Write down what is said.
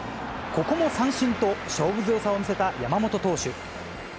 ここも三振と、勝負強さを見せた山本投手。